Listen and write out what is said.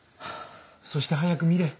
そして早く見れ。